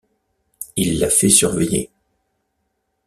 Il la fait surveiller.